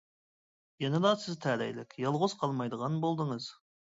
-يەنىلا سىز تەلەيلىك، يالغۇز قالمايدىغان بولدىڭىز.